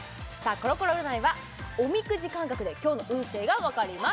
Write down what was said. コロコロ占いはおみくじ感覚で今日の運勢がわかります